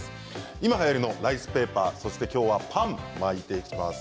今はやりのライスペーパーそして今日はパンを巻いていきます。